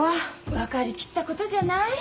分かりきったことじゃない。